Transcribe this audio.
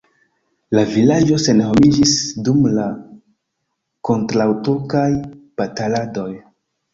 La vilaĝo senhomiĝis dum la kontraŭturkaj bataladoj.